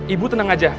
ibu tenang aja